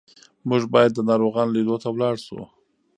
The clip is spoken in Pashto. موږ باید د ناروغانو لیدو ته لاړ شو.